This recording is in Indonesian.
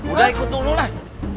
udah ikut dulu lah